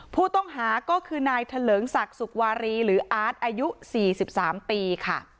ผู้ต้องหาก็คือนายเถลิงศักดิ์สุกวารีหรืออาร์ตอายุ๔๓ปีค่ะ